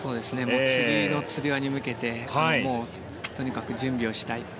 次のつり輪に向けてとにかく準備をしたい。